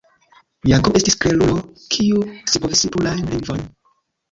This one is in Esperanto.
Jakobo estis klerulo kiu scipovis plurajn lingvojn.